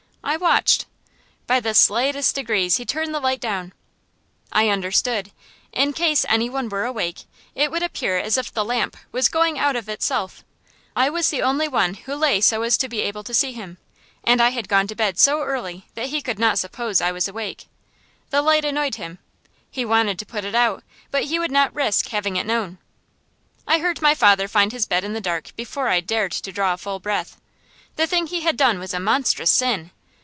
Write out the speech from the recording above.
I watched. By the slightest degrees he turned the light down. I understood. In case any one were awake, it would appear as if the lamp was going out of itself. I was the only one who lay so as to be able to see him, and I had gone to bed so early that he could not suppose I was awake. The light annoyed him, he wanted to put it out, but he would not risk having it known. I heard my father find his bed in the dark before I dared to draw a full breath. The thing he had done was a monstrous sin.